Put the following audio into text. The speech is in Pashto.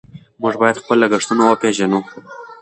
موږ باید خپل لګښتونه وپېژنو.